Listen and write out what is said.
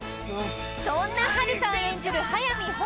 ［そんな波瑠さん演じる速見穂